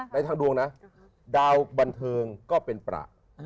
ในทางดวงนะดาวบันเทิงก็เป็นประ